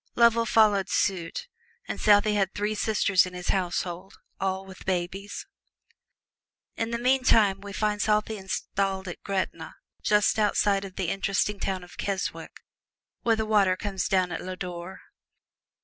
Lovell soon followed suit, and Southey had three sisters in his household, all with babies. In the meantime we find Southey installed at "Greta," just outside of the interesting town of Keswick, where the water comes down at Lodore.